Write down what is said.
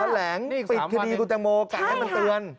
แหลงปิดคดีคุณแตงโมกะให้มันเตือน